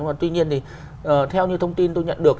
nhưng mà tuy nhiên thì theo như thông tin tôi nhận được